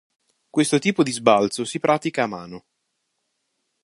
Questo tipo di sbalzo si pratica a mano.